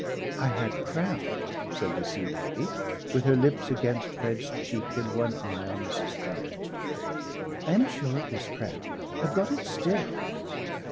"I had cramp," said the Sea Lady, with her lips against Fred's cheek and one eye on Mrs. Bunting. "I am sure it was cramp.... I've got it still."